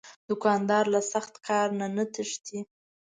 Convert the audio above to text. دوکاندار له سخت کار نه نه تښتي.